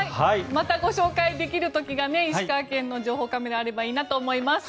またご紹介できる時が石川県の情報カメラあればいいなと思います。